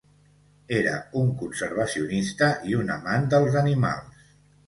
Era un conservacionista i un amant dels animals.